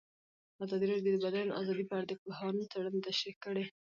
ازادي راډیو د د بیان آزادي په اړه د پوهانو څېړنې تشریح کړې.